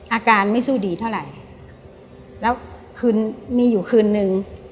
อาการไม่สู้ดีเท่าไหร่แล้วคืนมีอยู่คืนนึง